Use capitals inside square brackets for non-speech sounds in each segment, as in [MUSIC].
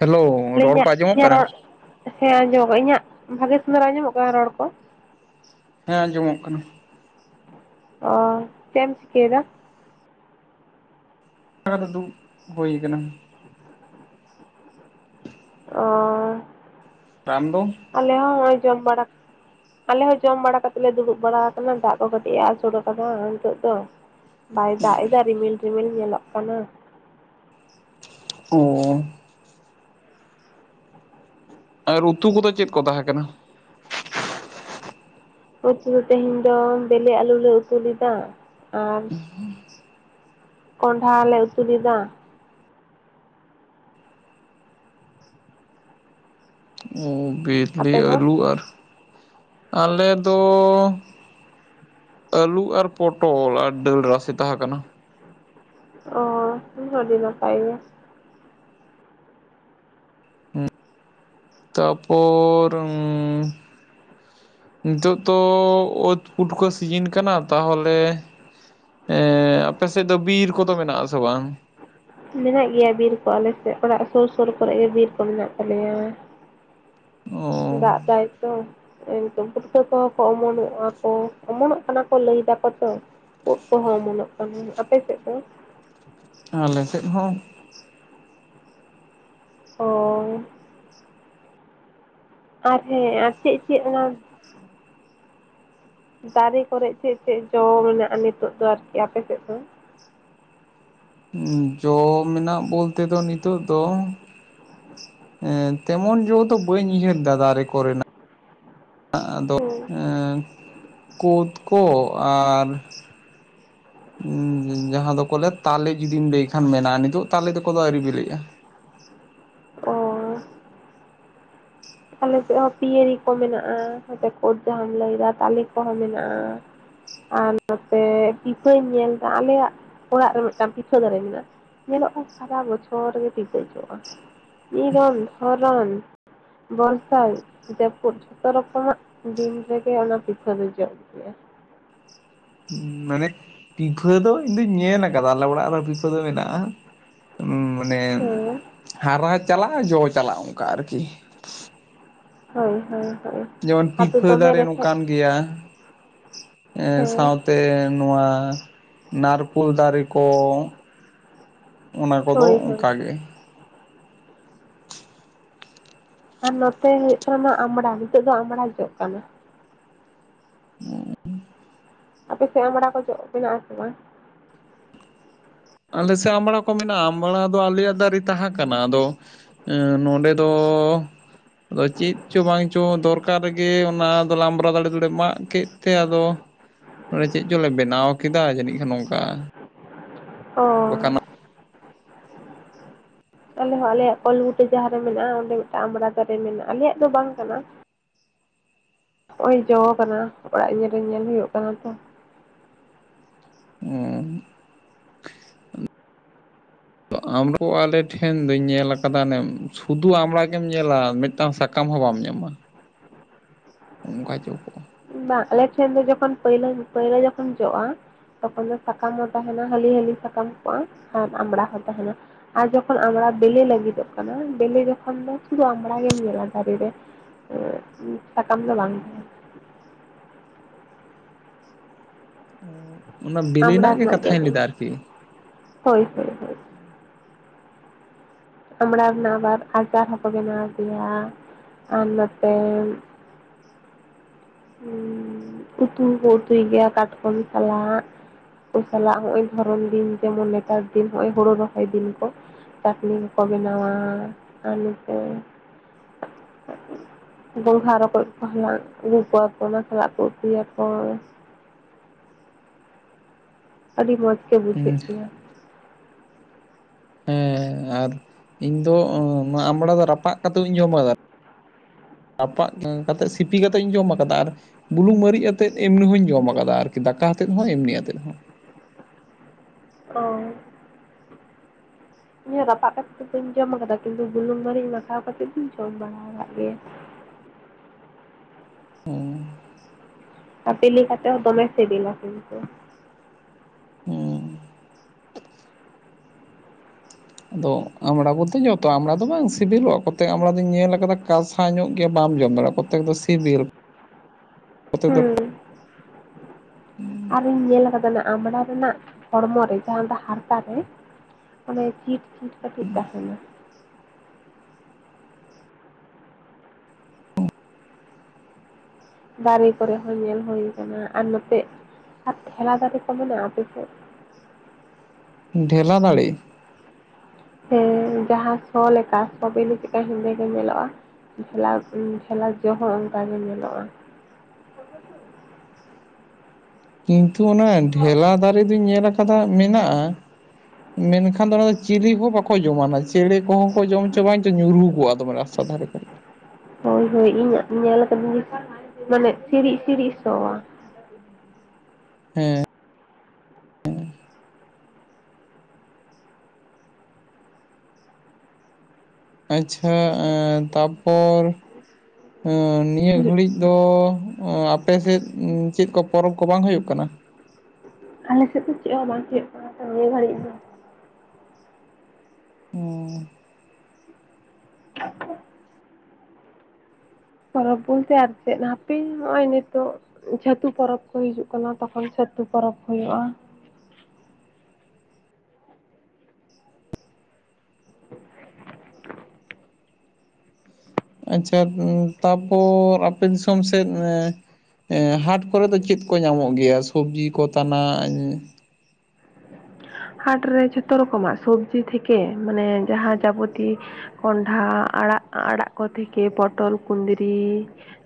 Hello ᱟᱞᱤᱧᱟᱜ ᱤᱧᱟᱹᱜ ᱨᱚᱲ ᱦᱮᱸ ᱟᱸᱡᱚᱢᱚᱜ ᱤᱧᱟᱜ ᱵᱷᱟᱹᱜᱮ ᱥᱮᱸᱫᱽᱨᱟ ᱟᱸᱡᱚᱢᱚᱜ ᱠᱟᱱᱟ ᱨᱚᱲ ᱠᱚ? ᱦᱮᱸ ᱟᱸᱡᱚᱢᱚᱜ ᱠᱟᱱᱟ᱾ ᱚ ᱪᱮᱢ ᱪᱤᱠᱟᱹᱭᱫᱟ? ᱮᱸ ᱟᱫᱚ ᱫᱩ ᱦᱳᱭ ᱠᱟᱱᱟ ᱾ ᱚᱻ ᱨᱟᱢ ᱫᱚ? ᱟᱞᱮ ᱦᱚᱸ ᱦᱚᱸᱜᱼᱚᱭ ᱡᱚᱢ ᱵᱟᱲᱟ᱾ ᱟᱞᱮ ᱦᱚᱸ ᱡᱚᱢ ᱵᱟᱲᱟ ᱠᱟᱛᱮ ᱞᱮ ᱫᱩᱲᱩᱵ ᱵᱟᱲᱟ ᱟᱠᱟᱱᱟ ᱫᱟᱜ ᱠᱚ ᱠᱟᱹᱴᱤᱡ ᱮ ᱟᱥᱩᱨ ᱟᱠᱟᱫᱟ ᱱᱤᱛᱚᱜ ᱫᱚ᱾ ᱵᱟᱭ ᱫᱟᱜ ᱮᱫᱟ ᱨᱤᱢᱤᱞ ᱨᱤᱢᱤᱞ ᱧᱮᱞᱚᱜ ᱠᱟᱱᱟ ᱾ ᱦᱚᱸᱻ ᱟᱨ ᱩᱛᱩ ᱠᱚᱫᱚ ᱪᱮᱫ ᱠᱚ ᱛᱟᱦᱮᱸ ᱠᱟᱱᱟ? ᱩᱛᱩ ᱫᱚ ᱛᱮᱦᱮᱧ ᱫᱚ ᱵᱮᱞᱮ ᱟᱹᱞᱩ ᱞᱮ ᱩᱛᱩ ᱞᱮᱫᱟ ᱟᱨ ᱠᱚᱸᱰᱦᱟ ᱞᱮ ᱩᱛᱩ ᱞᱮᱫᱟ᱾ ᱚ ᱵᱤᱞᱤ ᱟᱯᱮ ᱫᱚ ᱟᱹᱞᱩ ᱟᱨ ᱟᱞᱮ ᱫᱚᱻ ᱟᱹᱞᱩ ᱟᱨ ᱯᱚᱴᱚᱞ ᱟᱨ ᱰᱟᱹᱞ ᱨᱟᱥᱮ ᱛᱟᱦᱮᱸ ᱠᱟᱱᱟ᱾ ᱚ ᱚᱱᱟ ᱦᱚᱸ ᱟᱹᱰᱤ ᱱᱟᱯᱟᱭ ᱜᱮᱭᱟ᱾ ᱩᱜ ᱛᱟᱯᱚᱻᱨ ᱩᱻ ᱱᱤᱛᱚᱜ ᱫᱚ ᱚᱛ ᱯᱩᱴᱠᱟᱹ ᱥᱤᱡᱤᱱ ᱠᱟᱱᱟ ᱛᱟᱦᱚᱞᱮ ᱮᱻ ᱟᱯᱮ ᱥᱮᱫ ᱫᱚ ᱵᱤᱨ ᱠᱚᱫᱚ ᱢᱮᱱᱟᱜ ᱟᱥᱮ ᱵᱟᱝ? ᱢᱮᱱᱟᱜ ᱜᱮᱭᱟ ᱵᱤᱨ ᱠᱚ ᱟᱞᱮ ᱥᱮᱜ ᱚᱲᱟᱜ ᱥᱩᱨ ᱥᱩᱨ ᱠᱚᱨᱮ ᱜᱮ ᱵᱤᱨ ᱠᱚ ᱢᱮᱱᱟᱜ ᱛᱟᱞᱮᱭᱟ᱾ ᱚ ᱫᱟᱜ ᱫᱟᱭ ᱛᱚ᱾ ᱮᱠᱫᱚᱢ ᱯᱩᱴᱠᱟᱹ ᱠᱚᱦᱚᱸ ᱠᱚ ᱚᱢᱚᱱᱚᱜᱼᱟ ᱠᱚ ᱚᱢᱚᱱᱚᱜ ᱠᱟᱱᱟ ᱠᱚ ᱞᱟᱹᱭ ᱫᱟᱠᱚ ᱛᱚ᱾ ᱳᱜ ᱠᱚᱦᱚᱸ ᱚᱢᱚᱱᱚᱜ ᱠᱟᱱᱟ, ᱟᱯᱮ ᱥᱮᱜ ᱫᱚ ᱟᱞᱮ ᱥᱮᱫ ᱦᱚᱸ᱾ ᱦᱳᱭᱻ ᱟᱨ ᱦᱮᱸ ᱟᱨ ᱪᱮᱜ ᱪᱮᱜ ᱚᱱᱟ ᱫᱟᱨᱮ ᱠᱚᱨᱮ ᱪᱮᱜ ᱪᱮᱜ ᱡᱚ ᱢᱮᱱᱟᱜᱼᱟ ᱱᱤᱛᱚᱜ ᱫᱚ ᱟᱨᱠᱤ ᱟᱯᱮᱥᱮᱜ ᱫᱚ? ᱡᱚ ᱢᱮᱱᱟᱜ ᱵᱚᱞᱛᱮ ᱫᱚ ᱱᱤᱛᱚᱜ ᱫᱚ ᱮᱸ ᱛᱮᱢᱚᱱ ᱡᱚ ᱫᱚ ᱵᱟᱹᱧ ᱩᱭᱦᱟᱹᱨ ᱫᱟ ᱫᱟᱨᱮ ᱠᱚᱨᱮᱱᱟᱜ᱾ ᱟᱸᱜ ᱟᱫᱚ ᱦᱮᱸ ᱮᱸ ᱠᱳᱫ ᱠᱚ ᱟᱨᱻ [UNINTELLIGIBLE] ᱩᱸ ᱡᱟᱦᱟᱸ ᱫᱚᱠᱚ ᱞᱟᱹᱭᱟ ᱛᱟᱞᱮ ᱡᱩᱫᱤᱢ ᱞᱟᱹᱭ ᱠᱷᱟᱱ ᱢᱮᱱᱟᱜᱼᱟ ᱱᱤᱛᱚᱜ ᱛᱟᱞᱮ ᱫᱚᱠᱚ ᱫᱚ ᱟᱹᱣᱨᱤ ᱵᱮᱞᱮᱜᱼᱟ᱾ ᱚᱸᱻ ᱟᱞᱮ ᱥᱮᱜ ᱦᱚᱸ ᱯᱤᱭᱟᱹᱨᱤ ᱠᱚ ᱢᱮᱱᱟᱜᱼᱟ, ᱦᱚᱛᱮ ᱠᱳᱛ ᱡᱟᱦᱟᱸᱢ ᱞᱟᱹᱭᱫᱟ ᱛᱟᱞᱮ ᱠᱚᱦᱚᱸ ᱢᱮᱱᱟᱜᱼᱟ᱾ ᱟᱨ ᱱᱚᱛᱮ ᱯᱤᱯᱷᱟᱹᱧ ᱧᱮᱞᱫᱟ ᱟᱞᱮᱭᱟᱜ ᱚᱲᱟᱜ ᱨᱮ ᱢᱤᱫᱴᱟᱝ ᱯᱤᱯᱷᱟᱹ ᱫᱟᱨᱮ ᱢᱮᱱᱟᱜ ᱧᱮᱞᱚᱜᱼᱟ ᱥᱟᱨᱟ ᱵᱚᱪᱷᱚᱨ ᱜᱮ ᱯᱤᱯᱟᱹ ᱡᱚᱜᱼᱟ ᱱᱤᱨᱚᱱ ᱫᱷᱚᱨᱚᱱ᱾ ᱵᱚᱨᱥᱟᱭ ᱡᱟᱹᱯᱩᱫ ᱡᱷᱚᱛᱚ ᱨᱚᱠᱚᱢᱟᱜ ᱫᱤᱱ ᱨᱮᱜᱮ ᱚᱱᱟ ᱯᱤᱯᱷᱟᱹ ᱫᱚ ᱡᱚᱜ ᱜᱮᱭᱟ᱾ ᱩᱸ ᱢᱟᱱᱮ ᱯᱤᱯᱷᱟᱹ ᱫᱚ ᱤᱧ ᱫᱩᱧ ᱧᱮᱞ ᱟᱠᱟᱫᱟ ᱟᱞᱮ ᱚᱲᱟᱜ ᱨᱮ ᱯᱤᱯᱷᱟᱹ ᱫᱚ ᱢᱮᱱᱟᱜᱼᱟ᱾ ᱩᱸ ᱢᱟᱱᱮ ᱦᱮᱸ, ᱦᱟᱨᱟ ᱪᱟᱞᱟᱜᱼᱟ ᱡᱚ ᱪᱟᱞᱟᱜᱼᱟ ᱚᱱᱠᱟ ᱟᱨᱠᱤ᱾ ᱦᱳᱭ ᱦᱳᱭ ᱦᱳᱭ᱾ ᱡᱮᱢᱚᱱ ᱟᱫᱚ ᱯᱤᱯᱷᱟᱹ ᱫᱚᱢᱮ ᱫᱟᱨᱮ ᱨᱮᱸᱜᱮᱡ ᱱᱚᱝᱠᱟᱱ ᱜᱮᱭᱟ ᱮ ᱦᱮᱸ, ᱥᱟᱶᱛᱮ ᱱᱚᱣᱟ ᱱᱟᱨᱠᱳᱞ ᱫᱟᱨᱮ ᱠᱚ ᱚᱱᱟ ᱠᱚᱫᱚ ᱦᱳᱭ ᱦᱳᱭ ᱚᱱᱠᱟ ᱦᱳᱭ᱾ ᱜᱮ᱾ ᱟᱨ ᱱᱚᱛᱮ ᱦᱩᱭᱩᱜ ᱠᱟᱱᱟ ᱚᱱᱟ ᱟᱢᱲᱟ ᱱᱤᱛᱳᱜ ᱫᱚ ᱟᱢᱲᱟ ᱡᱚᱜ ᱠᱟᱱᱟ᱾ ᱚᱻ ᱟᱯᱮ ᱥᱮᱫ ᱟᱢᱲᱟ ᱠᱚ ᱡᱚᱜ ᱢᱮᱱᱟᱜᱼᱟ ᱥᱮ ᱵᱟᱝ? ᱟᱞᱮ ᱥᱮ ᱟᱢᱲᱟ ᱠᱚ ᱢᱮᱱᱟᱜᱼᱟ ᱟᱢᱲᱟ ᱫᱚ ᱟᱞᱮᱭᱟᱜ ᱫᱟᱨᱮ ᱛᱟᱸᱦᱮ ᱠᱟᱱᱟ ᱟᱫᱚ ᱮᱸ ᱱᱚᱰᱮ ᱫᱚ ᱟᱫᱚ ᱪᱮᱫ ᱪᱚ ᱵᱟᱝ ᱪᱚ ᱫᱚᱨᱠᱟᱨ ᱨᱮᱜᱮ ᱚᱱᱟ ᱫᱚ ᱞᱢᱲᱟ ᱫᱟᱲᱮ ᱫᱚᱞᱮ ᱢᱟᱜ ᱠᱮᱫ ᱛᱮ ᱟᱫᱚ ᱮ ᱪᱮᱫ ᱪᱚᱞᱮ ᱵᱮᱱᱟᱣ ᱠᱮᱫᱟ ᱡᱟᱹᱱᱤᱡ ᱠᱷᱟᱱ ᱱᱚᱝᱠᱟ᱾ ᱚ ᱫᱚᱠᱟᱱᱚᱜ ᱟᱞᱮ ᱦᱚᱸ ᱟᱞᱮᱭᱟᱜ ᱠᱚᱞ ᱵᱩᱴᱟᱹ ᱡᱟᱸᱦᱟ ᱨᱮ ᱢᱮᱱᱟᱜᱼᱟ ᱚᱸᱰᱮ ᱢᱤᱫᱴᱟᱝ ᱟᱢᱲᱟ ᱫᱟᱨᱮ ᱢᱮᱱᱟᱜᱼᱟ ᱟᱞᱮᱭᱟᱜ ᱫᱚ ᱵᱟᱝ ᱠᱟᱱᱟ᱾ ᱦᱚᱸᱜᱼᱚᱭ ᱡᱚ ᱠᱟᱱᱟ ᱚᱲᱟᱜ ᱧᱮᱞ ᱨᱮ ᱧᱮᱞ ᱦᱩᱭᱩᱜ ᱠᱟᱱᱟ ᱛᱚ᱾ ᱟᱢᱨᱚ ᱟᱞᱮ ᱴᱷᱮᱱ ᱫᱚᱧ ᱧᱮᱞ ᱟᱠᱟᱫᱟ ᱮᱢ ᱥᱩᱫᱷᱩ ᱟᱢᱲᱟ ᱜᱮᱢ ᱧᱮᱞᱟ ᱢᱤᱫᱴᱟᱝ ᱥᱟ ᱥᱟᱠᱟᱢ ᱦᱚᱸ ᱵᱟᱢ ᱧᱟᱢᱟ᱾ ᱚᱱᱠᱟ ᱡᱚ ᱠᱚᱜᱼᱟ᱾ ᱵᱟᱝ ᱟᱞᱮᱴᱷᱮᱱ ᱫᱚ ᱡᱚᱠᱷᱚᱱ ᱯᱟᱹᱭᱞᱟ ᱯᱟᱹᱭᱞᱟᱹ ᱡᱚᱠᱷᱚᱱ ᱡᱚᱜᱼᱟ᱾ ᱛᱚᱠᱷᱚᱱ ᱫᱚ ᱥᱟᱠᱟᱢ ᱦᱚᱸ ᱛᱟᱸᱦᱮᱱᱟ ᱦᱟᱹᱞᱤ ᱦᱟᱹᱞᱤ ᱥᱟᱠᱟᱢ ᱠᱚᱜᱼᱟ ᱟᱨ ᱟᱢᱲᱟ ᱦᱚᱸ ᱛᱟᱸᱦᱮᱱᱟ᱾ ᱟᱨ ᱡᱚᱠᱷᱚᱱ ᱟᱢᱲᱟ ᱵᱮᱞᱮ ᱞᱟᱹᱜᱤᱫᱚᱜ ᱠᱟᱱᱟ ᱵᱮᱞᱮ ᱡᱚᱠᱷᱚᱱ ᱫᱚ ᱥᱩᱫᱷᱩ ᱟᱢᱲᱟ ᱜᱮᱢ ᱧᱮᱞᱟ ᱫᱟᱨᱮ ᱨᱮ᱾ ᱮ ᱥᱟᱠᱟᱢ ᱫᱚ ᱵᱟᱝ ᱛᱟᱦᱮ᱾ ᱚᱱᱟ ᱵᱮᱞᱮ ᱟᱢᱲᱟ ᱨᱮᱱᱟᱜ ᱜᱮ ᱠᱟᱛᱷᱟᱧ ᱡᱮᱢᱚᱱ ᱞᱟᱹᱭ ᱫᱟ ᱟᱨᱠᱤ᱾ ᱦᱳᱭ ᱦᱳᱭ ᱦᱳᱭ᱾ ᱟᱢᱲᱟ ᱨᱮᱱᱟᱜ ᱟᱵᱟᱨ ᱟᱪᱟᱨ ᱦᱚᱸᱠᱚ ᱵᱮᱱᱟᱣ ᱜᱮᱭᱟ ᱟᱨ ᱱᱚᱛᱮ ᱦᱩᱸ ᱩᱛᱩ ᱦᱚᱸᱠᱚ ᱩᱛᱩᱭ ᱜᱮᱭᱟ ᱠᱟᱴᱠᱚᱢ ᱥᱟᱞᱟᱜ᱾ ᱠᱩ ᱥᱟᱞᱟᱜ ᱱᱚᱜᱼᱚᱭ ᱫᱷᱚᱨᱚᱢ ᱫᱤᱱ ᱡᱮᱢᱚᱱ ᱱᱮᱛᱟᱨ ᱫᱤᱱ ᱦᱚᱸᱜᱼᱚᱭ ᱦᱳᱲᱳ ᱨᱚᱦᱚᱭ ᱫᱤᱱ ᱠᱚ᱾ ᱪᱟᱹᱴᱱᱤ ᱠᱚᱠᱚ ᱵᱮᱱᱟᱣᱟ, ᱟᱨ ᱱᱚᱛᱮ [UNINTELLIGIBLE] ᱜᱚᱸᱜᱷᱟ ᱨᱚᱠᱚᱡ ᱠᱚ ᱦᱟᱞᱟᱝ ᱟᱹᱜᱩ ᱠᱚᱣᱟ ᱠᱚ ᱚᱱᱟ ᱥᱟᱞᱟᱜ ᱠᱚ ᱩᱛᱩᱭᱟᱠᱚ᱾ ᱟᱹᱰᱤ ᱢᱚᱸᱡᱽ ᱜᱮ ᱵᱩᱡᱷᱟᱜ ᱦᱮᱸ ᱜᱮᱭᱟ᱾ ᱦᱮᱸ ᱟᱨ ᱤᱧ ᱫᱚ ᱟᱢᱲᱟ ᱫᱚ ᱨᱟᱯᱟᱜ ᱠᱟᱛᱮ ᱦᱚᱧ ᱡᱚᱢ ᱠᱟᱫᱟ᱾ ᱨᱟᱯᱟᱜ ᱠᱟᱛᱮᱫ ᱥᱤᱯᱤ ᱠᱟᱛᱮᱫ ᱤᱧ ᱡᱚᱢ ᱠᱟᱫᱟ, ᱟᱨ ᱵᱩᱞᱩᱝ ᱢᱟᱹᱨᱤᱪ ᱟᱛᱮᱫ ᱮᱢᱱᱤ ᱦᱚᱧ ᱡᱚᱢ ᱟᱠᱟᱫᱟ ᱟᱨᱠᱤ ᱫᱟᱠᱟ ᱟᱛᱮᱫ ᱦᱚᱸ ᱮᱢᱱᱤ ᱟᱛᱮᱫ ᱦᱚᱸ᱾ ᱦᱳᱭ ᱤᱧᱦᱚ ᱨᱟᱯᱟᱜ ᱠᱟᱛᱮᱫ ᱫᱚ ᱵᱟᱹᱧ ᱡᱚᱢ ᱠᱟᱫᱟ ᱠᱤᱱᱛᱩ ᱵᱩᱞᱩᱝ ᱢᱟᱹᱨᱤᱪ ᱢᱟᱠᱷᱟᱣ ᱠᱟᱛᱮᱜ ᱫᱚᱧ ᱡᱚᱢ ᱵᱟᱲᱟ ᱟᱠᱟᱫ ᱜᱮᱭᱟ᱾ ᱚ ᱵᱮᱞᱮ ᱠᱟᱛᱮ ᱦᱚᱸ ᱫᱚᱢᱮ ᱥᱮᱵᱮᱞᱟ ᱠᱤᱱᱛᱩ᱾ ᱟᱫᱚ ᱟᱢᱲᱟ ᱵᱚᱞᱛᱮ ᱡᱚᱛᱚ ᱟᱢᱵᱽᱲᱟ ᱫᱚ ᱵᱟᱝ ᱥᱤᱵᱤᱞᱚᱜᱼᱟ, ᱠᱚᱛᱮ ᱟᱢᱲᱟ ᱫᱚᱧ ᱧᱮᱞ ᱟᱠᱟᱫᱟ ᱠᱟᱥᱟ ᱧᱚᱜ ᱜᱮᱭᱟ ᱵᱟᱢ ᱡᱚᱢ ᱫᱟᱲᱮᱭᱟᱜᱼᱟ᱾ ᱛᱮᱠ ᱫᱚ ᱥᱮᱵᱮᱞ᱾ ᱦᱩᱸ ᱟᱨᱤᱧ ᱧᱮᱞ ᱠᱟᱫᱟ ᱚᱱᱟ ᱟᱢᱲᱟ ᱨᱮᱱᱟᱜ ᱦᱚᱲᱢᱚ ᱨᱮ ᱡᱟᱸᱦᱟ ᱫᱚ ᱦᱟᱨᱛᱟ ᱨᱮ ᱚᱱᱮ ᱪᱷᱤᱴ ᱪᱷᱤᱴ ᱠᱟᱹᱴᱤᱡ ᱛᱟᱸᱦᱮᱱᱟ᱾ ᱫᱟᱨᱮ ᱠᱚᱨᱮ ᱦᱚᱸ ᱧᱮᱞ ᱦᱳᱭ ᱠᱟᱱᱟ, ᱟᱨ ᱱᱚᱛᱮ ᱟᱨ ᱴᱷᱮᱞᱟ ᱫᱟᱨᱮ ᱠᱚ ᱢᱮᱱᱟᱜᱼᱟ ᱟᱯᱮᱥᱮᱫ? ᱰᱷᱮᱞᱟ ᱫᱟᱲᱮ! ᱦᱮ ᱡᱟᱸᱦᱟ ᱥᱚ ᱞᱮᱠᱟ ᱥᱚ ᱵᱤᱞᱤ ᱪᱤᱠᱟᱹ ᱦᱮᱸᱫᱮ ᱜᱮ ᱧᱮᱞᱚᱜᱼᱟ᱾ ᱴᱷᱮᱞᱟᱣ ᱩ ᱴᱷᱮᱞᱟᱣ ᱡᱚ ᱦᱚ ᱚᱱᱠᱟ ᱜᱮ ᱧᱮᱞᱚᱜᱼᱟ᱾ ᱠᱤᱱᱛᱩ ᱚᱱᱟ ᱰᱷᱮᱞᱟ ᱫᱟᱨᱮ ᱫᱚᱧ ᱧᱮᱞ ᱟᱠ ᱠᱟᱫᱟ ᱢᱤᱱᱟᱜᱼᱟ, ᱢᱮᱱᱠᱷᱟᱱ ᱫᱚ ᱚᱱᱟ ᱪᱤᱞᱤ ᱦᱚᱸ ᱵᱟᱠᱚ ᱚᱠᱚᱭ ᱡᱚᱢᱟ ᱚᱱᱟ ᱪᱮᱬᱮ ᱠᱚᱦᱚᱸ ᱠᱚ ᱡᱚᱢ ᱦᱚ ᱪᱚ ᱵᱟᱝ ᱪᱚ ᱧᱩᱨᱩ ᱠᱚᱜᱼᱟ ᱫᱚᱢᱮ ᱨᱟᱥᱛᱟ ᱫᱷᱟᱨᱮ ᱠᱚᱨᱮ᱾ ᱦᱳᱭ ᱦᱳᱭ ᱤᱧᱟᱹᱜ ᱧᱮᱞ ᱟᱠᱟᱫᱤᱧ ᱢᱟᱱᱮ ᱥᱤᱬᱤᱡ ᱥᱤᱬᱤᱡ ᱥᱚᱸᱣᱟ᱾ ᱦᱮᱸ᱾ ᱟᱪᱪᱷᱟ ᱮᱸ ᱛᱟᱯᱚᱨ ᱟ ᱱᱤᱭᱟᱹ ᱜᱷᱟᱹᱲᱤᱡ ᱫᱚ ᱟᱯᱮ ᱥᱮᱫ ᱪᱮᱫ ᱠᱚ ᱯᱚᱨᱚᱵᱽ ᱠᱚ ᱵᱟᱝ ᱦᱩᱭᱩᱜ ᱠᱟᱱᱟ? ᱟᱞᱮ ᱥᱮᱫ ᱫᱚ ᱪᱮᱫ ᱦᱚᱸ ᱵᱟᱝ ᱦᱩᱭᱩᱜ ᱠᱟᱱᱟ ᱛᱚ ᱱᱤᱭᱟᱹ ᱜᱷᱟᱹᱲᱤᱡ ᱫᱚ᱾ ᱚ᱾ [UNINTELLIGIBLE] ᱯᱚᱨᱚᱵᱽ ᱵᱚᱞᱛᱮ ᱟᱨ ᱪᱮᱫ ᱦᱟᱯᱮ ᱱᱚᱜᱼᱚᱭ ᱱᱤᱛᱚᱜ ᱪᱷᱟᱹᱛᱩ ᱯᱚᱨᱚᱵᱽ ᱠᱚ ᱦᱤᱡᱩᱜ ᱠᱟᱱᱟ ᱛᱚᱠᱷᱚᱱ ᱪᱷᱟᱹᱛᱩ ᱯᱚᱨᱚᱵᱽ ᱦᱩᱭᱩᱜᱼᱟ᱾ ᱟᱪᱪᱷᱟ ᱛᱟᱯᱚᱨ ᱟᱯᱮ ᱫᱤᱥᱚᱢ ᱥᱮᱫ ᱚᱱᱮ ᱮᱸ ᱦᱟᱴ ᱠᱚᱨᱮ ᱫᱚ ᱪᱮᱫ ᱠᱚ ᱧᱟᱢᱚᱜ ᱜᱮᱭᱟ ᱥᱚᱵᱽᱡᱤ ᱠᱚ ᱛᱟᱱᱟᱜ ᱦᱟᱴ ᱨᱮ ᱡᱷᱚᱛᱚ ᱨᱚᱠᱚᱢᱟᱜ ᱥᱚᱵᱽᱡᱤ ᱛᱷᱮᱠᱮ ᱢᱟᱱᱮ ᱡᱟᱸᱦᱟ ᱡᱟᱵᱳᱛᱤ ᱠᱚᱱᱰᱷᱟ ᱟᱲᱟᱜ ᱟᱲᱟᱜ ᱠᱚ ᱛᱷᱮᱠᱮ ᱯᱚᱴᱚᱞ ᱠᱩᱸᱫᱽᱨᱤ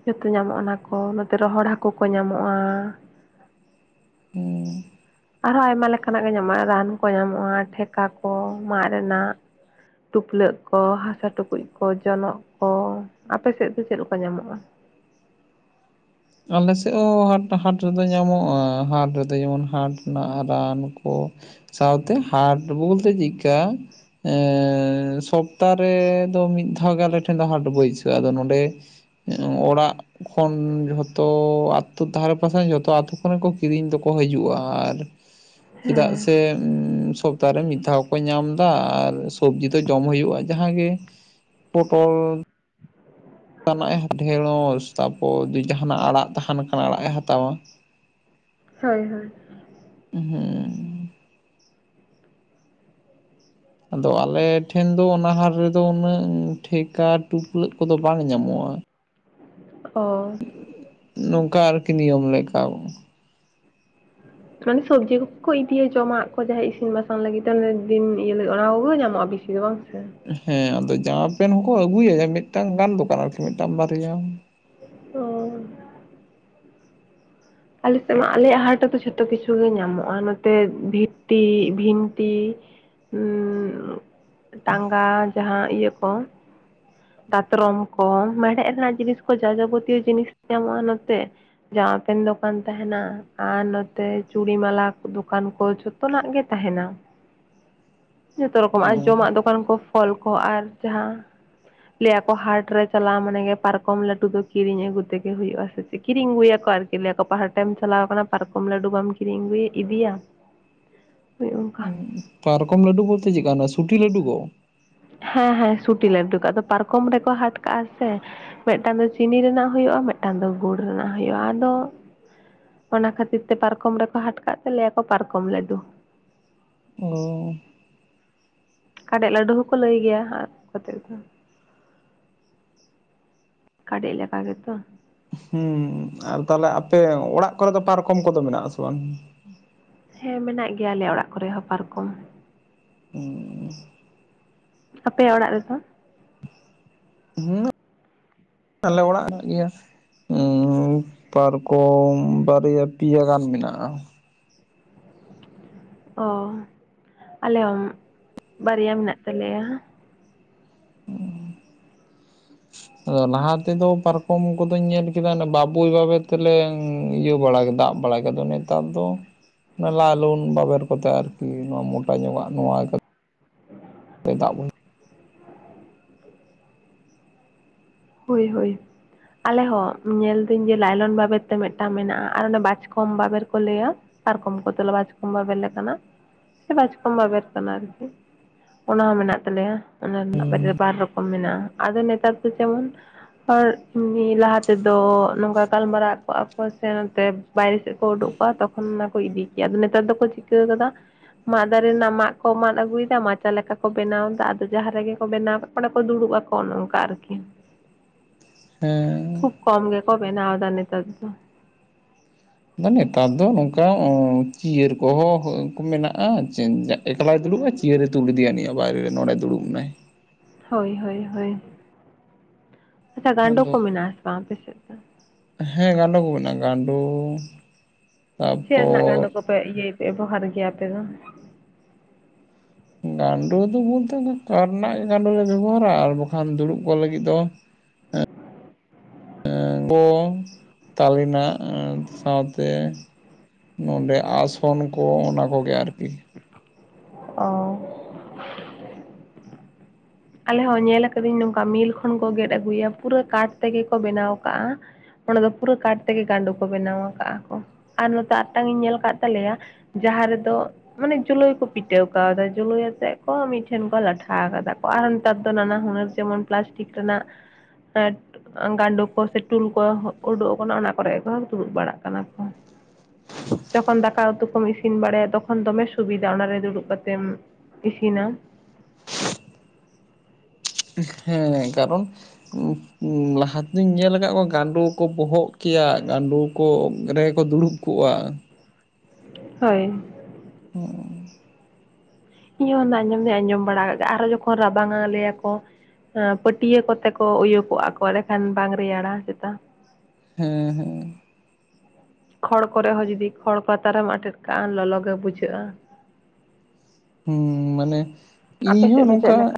ᱡᱷᱚᱛᱚ ᱧᱟᱢᱚᱜᱼᱟ ᱚᱱᱟ ᱠᱚ ᱱᱚᱛᱮ ᱨᱚᱦᱚᱲ ᱦᱟᱹᱠᱩ ᱠᱚ ᱧᱟᱢᱚᱜᱼᱟ᱾ ᱦᱩᱸ᱾ ᱟᱨᱦᱚᱸ ᱟᱭᱢᱟ ᱞᱮᱠᱟᱱᱟᱜ ᱜᱮ ᱧᱟᱢᱚᱜᱼᱟ ᱨᱟᱱ ᱠᱚ ᱧᱟᱢᱚᱜᱼᱟ, ᱴᱷᱮᱠᱟ ᱠᱚ ᱢᱟᱜ ᱨᱮᱱᱟᱜ ᱴᱩᱯᱞᱟᱹᱜ ᱠᱚ ᱦᱟᱥᱟ ᱴᱩᱠᱩᱡ ᱠᱚ ᱡᱚᱱᱚᱜ ᱠᱚ, ᱟᱯᱮ ᱥᱮᱫ ᱫᱚ ᱪᱮᱫ ᱞᱮᱠᱟ ᱧᱟᱢᱚᱜᱼᱟ? ᱟᱞᱮ ᱥᱮᱫ ᱦᱚᱸ ᱦᱟᱴ ᱦᱟᱴ ᱨᱮᱫᱚ ᱧᱟᱢᱚᱜᱼᱟ ᱦᱟᱴ ᱨᱮᱫᱚ ᱡᱮᱢᱚᱱ ᱦᱟᱴ ᱨᱮᱱᱟᱜ ᱨᱟᱱ ᱠᱚ᱾ ᱥᱟᱶᱛᱮ ᱦᱟᱴ ᱵᱳᱞᱛᱮ ᱪᱤᱫᱠᱟ ᱮᱻ ᱥᱚᱯᱛᱟ ᱨᱮ ᱫᱚ ᱢᱤᱫ ᱫᱷᱟᱣ ᱜᱮ ᱟᱞᱮ ᱴᱷᱮᱱ ᱫᱚ ᱦᱟᱴ ᱵᱟᱹᱭᱥᱟᱹᱜᱼᱟ, ᱟᱫᱚ ᱱᱚᱸᱰᱮ ᱚᱲᱟᱜ ᱠᱷᱚᱱ ᱡᱷᱚᱛ ᱛᱚ ᱟᱹᱛᱩ ᱫᱷᱟᱨᱮ ᱯᱟᱥᱮᱱ ᱡᱷᱚᱛᱚ ᱟᱛᱩ ᱠᱚᱨᱮᱱ ᱠᱚ ᱠᱤᱨᱤᱧ ᱫᱚᱠᱚ ᱦᱟᱹᱡᱩᱜᱼᱟ, ᱟᱨ ᱪᱮᱫᱟᱜ ᱦᱮᱸ ᱥᱮ ᱩᱸ ᱥᱚᱯᱛᱟ ᱨᱮ ᱢᱤᱫ ᱫᱷᱟᱣ ᱠᱚ ᱧᱟᱢᱫᱟ ᱟᱨ ᱥᱚᱵᱽᱡᱤ ᱫᱚ ᱡᱚᱢ ᱦᱩᱭᱩᱜᱼᱟ ᱡᱟᱸᱦᱟ ᱜᱮ᱾ ᱯᱚᱴᱚᱞ ᱛᱟᱱᱟᱜ ᱮ ᱰᱷᱮᱸᱲᱚᱥ ᱛᱟᱯᱚᱨ ᱡᱟᱦᱟᱱᱟᱜ ᱟᱲᱟᱜ ᱛᱟᱦᱮᱱ ᱠᱟᱱᱟ ᱟᱲᱟᱜ ᱮ ᱦᱟᱛᱟᱣᱟ᱾ ᱦᱳᱭ ᱦᱳᱭ᱾ ᱩᱸᱦᱩᱸ᱾ ᱟᱫᱚ ᱟᱞᱮ ᱴᱷᱮᱱ ᱫᱚ ᱚᱱᱟ ᱦᱟᱨ ᱨᱮᱫᱚ ᱩᱱᱟᱹᱜ ᱴᱷᱮᱠᱟ ᱴᱩᱯᱞᱟᱹᱜ ᱠᱚᱫᱚ ᱵᱟᱝ ᱧᱟᱢᱚᱜᱼᱟ᱾ ᱚ᱾ ᱱᱚᱝᱠᱟ ᱟᱨᱠᱤ ᱱᱤᱭᱚᱢ ᱞᱮᱠᱟ᱾ ᱢᱟᱱᱮ ᱥᱚᱵᱽᱡᱤ ᱠᱚᱠᱚ ᱤᱫᱤᱭᱟ ᱡᱚᱢᱟᱜ ᱠᱚ ᱡᱟᱦᱟᱸᱭ ᱤᱥᱤᱱ ᱵᱟᱥᱟᱝ ᱞᱟᱹᱜᱤᱫ ᱛᱮ ᱚᱱᱮ ᱫᱤᱱ ᱤᱭᱟᱹ ᱞᱟᱹᱜᱤ ᱚᱱᱟ ᱠᱚᱜᱮ ᱧᱟᱢᱚᱜᱼᱟ ᱵᱤᱥ ᱥᱤ ᱫᱚ ᱵᱟᱝ ᱥᱮ? ᱦᱮᱸ ᱟᱫᱚ ᱡᱟᱢᱟ ᱯᱮᱱ ᱦᱚᱸᱠᱚ ᱟᱹᱜᱩᱭᱮᱟ ᱢᱤᱫᱴᱟᱝ ᱜᱟᱱ ᱫᱳᱠᱟᱱ ᱟᱨᱠᱤ ᱢᱤᱫᱴᱟᱝ ᱵᱟᱨᱭᱟ ᱚᱻ᱾ ᱟᱞᱮ ᱥᱮᱫ ᱢᱟ ᱟᱞᱮᱭᱟᱜ ᱦᱟᱴ ᱨᱮᱫᱚ ᱡᱷᱚᱛᱚ ᱠᱤᱪᱷᱩ ᱜᱮ ᱧᱟᱢᱚᱜᱼᱟ ᱱᱚᱛᱮ ᱵᱷᱤᱛᱤ, ᱵᱷᱤᱱᱛᱤ᱾ ᱩᱸᱜ ᱴᱟᱸᱜᱟ ᱡᱟᱸᱦᱟ ᱤᱭᱟᱹ ᱠᱚ ᱫᱟᱛᱨᱚᱢ ᱠᱚ ᱢᱮᱲᱦᱮᱫ ᱨᱮᱱᱟᱜ ᱡᱤᱱᱤᱥ ᱠᱚ ᱡᱟ ᱡᱟᱵᱳᱛᱤᱭᱚ ᱡᱤᱱᱤᱥ ᱧᱟᱢᱚᱜᱼᱟ ᱱᱚᱛᱮ᱾ ᱡᱟᱢᱟ ᱯᱮᱱ ᱫᱚ ᱠᱟᱱ ᱛᱟᱦᱮᱸᱱᱟ ᱟᱨ ᱱᱚᱛᱮ ᱪᱩᱲᱤ ᱢᱟᱞᱟ ᱠᱚ ᱫᱳᱠᱟᱱ ᱠᱚ ᱡᱷᱚᱛᱚᱱᱟᱜ ᱜᱮ ᱛᱟᱸᱦᱮᱸᱱᱟ᱾ [UNINTELLIGIBLE] ᱡᱚᱛᱚ ᱨᱚᱠᱚᱢᱟᱜ ᱚ ᱡᱚᱢᱟᱜ ᱫᱚᱠᱟᱱ ᱠᱚ ᱯᱷᱚᱞ ᱠᱚ ᱟᱨ ᱡᱟᱦᱟᱸ ᱞᱟᱹᱭᱟᱠᱚ ᱦᱟᱴ ᱨᱮ ᱪᱟᱞᱟᱣ ᱢᱟᱱᱮ ᱜᱮ ᱯᱟᱨᱠᱚᱢ ᱞᱟᱹᱴᱩ ᱫᱚ ᱠᱤᱨᱤᱧ ᱟᱹᱜᱩ ᱛᱮᱜᱮ ᱦᱩᱭᱩᱜ-ᱟ ᱥᱮ᱾ ᱠᱤᱨᱤᱧ ᱟᱹᱜᱩᱭᱟᱠᱚ ᱟᱨᱠᱤ ᱞᱟᱹᱭᱟᱠᱚ ᱯᱟᱦᱴᱮᱢ ᱪᱟᱞᱟᱣ ᱠᱟᱱᱟ ᱯᱟᱨᱠᱚᱢ ᱞᱟᱹᱰᱩ ᱵᱟᱢ ᱠᱤᱨᱤᱧ ᱟᱹᱜᱩ ᱤᱫᱤᱭᱟ ᱦᱳᱭ ᱚᱝᱠᱟ᱾ ᱯᱟᱨᱠᱚᱢ ᱞᱟᱹᱰᱩ ᱵᱚᱞᱛᱮ ᱪᱮᱜ ᱠᱟᱱᱟᱜ ᱥᱩᱴᱤ ᱞᱟᱹᱰᱩ ᱠᱚ? ᱦᱮᱸ ᱦᱮᱸ ᱥᱩᱴᱤ ᱞᱟᱹᱰᱩ ᱠᱚ ᱟᱫᱚ ᱯᱟᱨᱠᱚᱢ ᱨᱮᱠᱚ ᱦᱟᱴ ᱠᱟᱜ-ᱟ ᱥᱮ, ᱢᱤᱜᱴᱟᱝ ᱫᱚ ᱪᱤᱱᱤ ᱨᱮᱱᱟᱜ ᱦᱳᱭᱳᱜ-ᱟ ᱢᱮᱜᱴᱟᱝ ᱫᱚ ᱜᱩᱲ ᱨᱮᱱᱟᱜ ᱦᱩᱭᱩᱜ-ᱟ ᱟᱫᱚ ᱚᱱᱟ ᱠᱷᱟᱹᱛᱤᱨ ᱛᱮ ᱯᱟᱨᱠᱚᱢ ᱨᱮᱠᱚ ᱦᱟᱴ ᱠᱟᱜ ᱛᱟᱞᱮᱭᱟᱠᱚ ᱯᱟᱨᱠᱚᱢ ᱞᱟᱹᱰᱩ ᱚᱸ ᱠᱟᱰᱮᱜ ᱞᱟᱹᱰᱩ ᱦᱚᱸᱠᱚ ᱞᱟᱹᱭ ᱜᱮᱭᱟ ᱟᱨ ᱠᱟᱛᱮᱫᱴᱜ ᱫᱚ ᱠᱟᱸᱰᱮᱜ ᱞᱮᱠᱟ ᱜᱮᱛᱚ᱾ ᱦᱩᱸ ᱟᱨ ᱛᱟᱦᱞᱮ ᱟᱯᱮ ᱚᱲᱟᱜ ᱠᱚᱨᱮ ᱫᱚ ᱯᱟᱨᱠᱚᱢ ᱠᱚᱫᱚ ᱢᱮᱱᱟᱜ ᱟᱥᱮ ᱵᱟᱝ? ᱦᱮᱸ ᱢᱮᱱᱟᱜ ᱜᱮᱭᱟ ᱟᱞᱮᱭᱟᱜ ᱚᱲᱟᱜ ᱠᱚᱨᱮ ᱦᱚᱸ ᱯᱟᱨᱠᱚᱢ᱾ ᱦᱩᱸ ᱟᱯᱮᱭᱟᱜ ᱚᱲᱟᱜ ᱨᱮᱫᱚ? ᱦᱩᱸ ᱟᱞᱮ ᱚᱲᱟᱜ ᱢᱮᱱᱟᱜ ᱜᱮᱭᱟ᱾ ᱩᱸ ᱯᱟᱨᱠᱚᱢ ᱵᱟᱨᱭᱟ ᱯᱮᱭᱟ ᱜᱟᱱ ᱢᱮᱱᱟᱜ-ᱟ᱾ ᱚ ᱟᱞᱮ ᱦᱚᱸ ᱵᱟᱨᱭᱟ ᱢᱮᱱᱟᱜ ᱛᱟᱞᱮᱭᱟ᱾ ᱦᱩᱸ ᱟᱫᱚ ᱞᱟᱦᱟ ᱛᱮᱫᱚ ᱯᱟᱨᱠᱚᱢ ᱠᱚᱫᱚᱧ ᱧᱮᱞ ᱠᱮᱫᱟ ᱵᱟᱵᱩᱭ ᱵᱟᱵᱮᱨ ᱛᱮᱞᱮ ᱤᱭᱟᱹ ᱵᱟᱲᱟ ᱠᱮᱫᱟ ᱫᱟᱵ ᱵᱟᱲᱟ ᱟᱫ ᱫᱚ ᱱᱮᱛᱟᱨ ᱫᱚ ᱞᱟᱭ ᱞᱳᱱ ᱵᱟᱵᱮᱨ ᱠᱚᱛᱮ ᱟᱨᱠᱤ ᱱᱚᱣᱟ ᱢᱚᱴᱟ ᱧᱚᱜᱟᱜ ᱱᱚᱣᱟ ᱠᱟ ᱫᱟᱜ ᱵᱚᱝ ᱦᱳᱭ ᱦᱳᱭ ᱟᱞᱮ ᱦᱚᱸ ᱧᱮᱞ ᱫᱟᱹᱧ ᱡᱮ ᱞᱟᱭᱞᱚᱱ ᱵᱟᱵᱮᱨ ᱛᱮ ᱢᱮᱫᱴᱟᱝ ᱢᱮᱱᱟᱜ-ᱟ ᱟᱨ ᱚᱱᱮ ᱵᱟᱪᱠᱚᱢ ᱵᱟᱵᱮᱨ ᱠᱚ ᱞᱟᱹᱭᱟ ᱯᱟᱨᱠᱚᱢ ᱠᱚ ᱛᱚᱞᱮ ᱵᱟᱪᱠᱚᱢ ᱵᱟᱵᱮᱨ ᱞᱮᱠᱟᱱᱟᱜ ᱵᱟᱪᱠᱚᱢ ᱵᱟᱵᱮᱨ ᱠᱟᱱᱟ ᱟᱨᱠᱤ, ᱚᱱᱟ ᱦᱚᱸ ᱢᱮᱱᱟᱜ ᱛᱟᱞᱮᱭᱟ ᱚᱱᱟ ᱨᱮᱱᱟᱜ ᱵᱟᱨᱭᱟ ᱨᱮ ᱵᱟᱨ ᱨᱚᱠᱚᱢ ᱢᱮᱱᱟᱜ-ᱟ ᱟᱫᱚ ᱱᱮᱛᱟᱨ ᱫᱚ ᱡᱮᱢᱚᱱ [INAUDIBLE] ᱟᱨ ᱱᱤᱭᱟᱹ ᱞᱟᱦᱟ ᱛᱮᱫᱚ ᱱᱚᱝᱠᱟ ᱜᱟᱞᱢᱟᱨᱟᱣ ᱠᱚᱜ-ᱟ ᱠᱚ ᱥᱮ ᱱᱚᱛᱮ ᱵᱟᱭᱨᱮ ᱥᱮᱜ ᱠᱚ ᱩᱰᱩᱠ ᱠᱚᱜ-ᱟ ᱛᱚᱠᱷᱚᱱ ᱚᱱᱟ ᱠᱚ ᱤᱫᱤ ᱠᱮᱭᱟ ᱟᱫᱚ ᱱᱮᱛᱟᱨ ᱫᱚᱠᱚ ᱪᱤᱠᱟᱹ ᱠᱟᱫᱟ? ᱢᱟᱫ ᱫᱟᱨᱮ ᱨᱮᱱᱟᱜ ᱢᱟᱜ ᱠᱚ ᱢᱟᱫ ᱟᱹᱜᱩᱭᱮᱫᱟ ᱢᱟᱪᱟ ᱞᱮᱠᱟ ᱠᱚ ᱵᱮᱱᱟᱣ ᱮᱫᱟ ᱟᱫᱚ ᱡᱟᱦᱟᱸ ᱨᱮᱜᱮ ᱠᱚ ᱵᱮᱱᱟᱣ ᱚᱸᱰᱮ ᱠᱚ ᱫᱩᱲᱩᱵ ᱟᱠᱚ ᱚᱱᱮ ᱚᱝᱠᱟ ᱟᱨᱠᱤ᱾ ᱦᱮᱸ ᱠᱷᱩᱵ ᱠᱚᱢ ᱜᱮᱠᱚ ᱵᱮᱱᱟᱣ ᱫᱟ ᱱᱮᱛᱟᱨ ᱫᱚ᱾ ᱟᱫᱚ ᱱᱮᱛᱟᱨ ᱫᱚ ᱱᱚᱝᱠᱟ ᱪᱤᱭᱟᱹᱨ ᱠᱚᱦᱚᱸ ᱢᱮᱱᱟᱜ-ᱟ ᱮᱠᱞᱟᱭ ᱫᱩᱲᱩᱵ-ᱟ ᱪᱤᱭᱟᱹᱨᱮ ᱛᱩᱞ ᱤᱫᱮᱭᱟ ᱱᱤᱭᱟᱹ ᱵᱟᱭᱨᱮ ᱨᱮ ᱱᱚᱸᱰᱮ ᱫᱩᱲᱩᱵ ᱮᱱᱟᱭ᱾ ᱦᱳᱭ ᱦᱳᱭ ᱟᱪᱪᱷᱟ ᱜᱟᱸᱰᱚ ᱠᱚ ᱟᱫᱚ ᱢᱮᱱᱟᱜ ᱟᱥᱮ ᱵᱟᱝ ᱟᱯᱮᱥᱮᱫ? ᱦᱮᱸ ᱜᱟᱸᱰᱚ ᱠᱚ ᱢᱮᱱᱟᱜ-ᱟ ᱜᱟᱸᱰᱳ ᱪᱮᱜ ᱨᱮᱱᱟᱜ ᱜᱟᱸᱰᱚ ᱛᱟᱨᱯᱚᱨ ᱠᱚᱯᱮ ᱤᱭᱟᱹᱭ ᱯᱮ ᱵᱮᱵᱚᱦᱟᱨ ᱜᱮᱭᱟ ᱟᱯᱮ ᱫᱚ? ᱜᱟᱸᱰᱳ ᱫᱚ ᱵᱚᱞᱛᱮ ᱚᱱᱟ ᱠᱟᱴ ᱨᱮᱱᱟᱜ ᱜᱮ ᱜᱟᱸᱰᱳ ᱞᱮ ᱵᱮᱵᱚᱦᱟᱨ-ᱟ ᱟᱨ ᱵᱟᱠᱷᱟᱱ ᱫᱩᱲᱩᱵ ᱠᱚᱜ ᱞᱟᱹᱜᱤᱫ ᱫᱚ ᱮᱸᱜ ᱮᱸ ᱜᱚᱢ ᱛᱟᱞᱮᱱᱟᱜ ᱟᱸ ᱥᱟᱶᱛᱮ, ᱱᱚᱸᱰᱮ ᱟᱥᱚᱱ ᱠᱚ ᱚᱱᱟ ᱠᱚᱜᱮ ᱟᱨᱠᱤ᱾ ᱚ ᱟᱞᱮ ᱦᱚᱸ ᱧᱮᱞ ᱠᱟᱫᱟᱹᱧ ᱱᱚᱝᱠᱟ ᱢᱤᱞ ᱠᱷᱚᱱ ᱠᱚ ᱜᱮᱫ ᱟᱹᱜᱩᱭᱟ ᱯᱩᱨᱟᱹ ᱠᱟᱴᱷ ᱛᱮᱜᱮ ᱠᱚ ᱵᱮᱱᱟᱣ ᱠᱟᱜ-ᱟ, ᱚᱸᱰᱮ ᱫᱚ ᱯᱩᱨᱟᱹ ᱠᱟᱴ ᱛᱮᱜᱮ ᱜᱟᱸᱰᱳ ᱠᱚ ᱵᱮᱱᱟᱣ ᱟᱠᱟᱫᱼᱟ ᱠᱚ ᱟᱨ ᱱᱚᱛᱮ ᱟᱨᱴᱟᱝ ᱤᱧ ᱧᱮᱞ ᱟᱠᱟᱫ ᱛᱟᱞᱮᱭᱟ ᱡᱟᱦᱟᱸ ᱨᱮᱫᱚ ᱢᱟᱱᱮ ᱡᱳᱞᱳᱭ ᱠᱚ ᱯᱤᱴᱷᱟᱹᱣ ᱠᱟᱣᱫᱟ᱾ ᱡᱳᱞᱳᱭ ᱟᱛᱮᱫ ᱠᱚ ᱢᱤᱫᱴᱷᱮᱱ ᱠᱚ ᱞᱟᱴᱷᱟ ᱠᱟᱫᱟ ᱠᱚ᱾ ᱠᱚ ᱟᱨ ᱦᱚ ᱱᱮᱛᱟᱨ ᱫᱚ ᱱᱟᱱᱟ ᱦᱩᱱᱟᱹᱨ ᱡᱮᱢᱚᱱ ᱯᱞᱟᱥᱴᱤᱠ ᱨᱮᱱᱟᱜ ᱮᱸᱴ ᱜᱟᱸᱰᱳ ᱠᱚ ᱥᱮ ᱴᱩᱞ ᱠᱚ ᱩᱰᱩᱠ ᱟᱠᱟᱱᱟ, ᱚᱱᱟ ᱠᱚᱨᱮ ᱜᱮ ᱠᱚ ᱫᱩᱲᱩᱵ ᱵᱟᱲᱟᱜ ᱠᱟᱱᱟ ᱠᱚ᱾ ᱡᱠᱷᱚᱱ ᱫᱟᱠᱟ ᱩᱛᱩ ᱠᱚᱢ ᱤᱥ ᱤᱥᱤᱱ ᱵᱟᱲᱟᱭᱟ ᱛᱚᱠᱷᱚᱱ ᱫᱚᱢᱮ ᱥᱩᱵᱤᱫᱷᱟ, ᱚᱱᱟᱨᱮ ᱫᱩᱲᱩᱵ ᱠᱟᱛᱮᱢ ᱤᱫᱤᱱᱟ᱾ ᱦᱮᱸ ᱠᱟᱨᱚᱱ ᱩᱸᱯ ᱞᱟᱦᱟ ᱛᱮᱫᱚᱧ ᱧᱮᱞ ᱟᱠᱟᱫ ᱠᱚᱣᱟ, ᱜᱟᱸᱰᱩ ᱠᱚ ᱵᱚᱦᱚᱜ ᱠᱮᱭᱟ, ᱜᱟᱸᱰᱚ ᱠᱚ ᱨᱮᱠᱚ ᱫᱩᱲᱩᱵ ᱠᱚᱜᱼᱟ। ᱦᱳᱭ। ᱦᱩᱸ᱾ ᱤᱧ ᱦᱚᱸ ᱚᱱᱟ ᱟᱸᱡᱚᱢ ᱫᱩᱧ ᱟᱸᱡᱚᱢ ᱵᱟᱲᱟ ᱠᱟᱜᱼᱟ᱾ ᱟᱨᱦᱚ ᱡᱚᱠᱷᱚᱱ ᱨᱟᱵᱟᱝᱟ ᱞᱟᱹᱭᱟ ᱠᱚ ᱮᱸ ᱯᱟᱹᱴᱤᱭᱟᱹ ᱠᱚᱛᱮ ᱠᱚ ᱩᱭᱩ ᱠᱚᱜᱼᱟ ᱠᱚ ᱮᱸᱰᱮ ᱠᱷᱟᱱ ᱵᱟᱝ ᱨᱮᱭᱟᱲᱟ ᱪᱮᱛᱟ। ᱦᱮᱸ ᱦᱮᱸ᱾ ᱠᱷᱚᱲ ᱠᱚᱨᱮ ᱦᱚᱸ ᱡᱩᱫᱤ ᱠᱷᱚᱲ ᱯᱟᱛᱟ ᱨᱮᱢ ᱟᱴᱮᱫ ᱠᱟᱜᱼᱟ ᱞᱚᱞᱚ ᱜᱮ ᱵᱩᱡᱷᱟᱹᱜᱼᱟ। ᱦᱩᱸ᱾ ᱢᱟᱱᱮ, ᱟᱯᱮ ᱤᱧ ᱦᱚᱸ ᱥᱮᱫ ᱫᱚ ᱱᱚᱝᱠᱟ ᱪᱮᱫ ᱞᱮᱠᱟ